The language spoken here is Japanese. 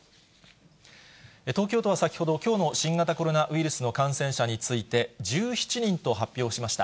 東京都は先ほど、きょうの新型コロナウイルスの感染者について、１７人と発表しました。